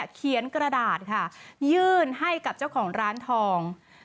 เขียนกระดาษยื่นให้กับเจ้าของร้านทอง